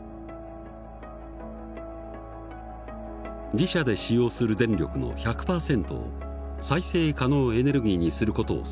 自社で使用する電力の１００％を再生可能エネルギーにする事を宣言。